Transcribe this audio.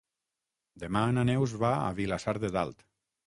Demà na Neus va a Vilassar de Dalt.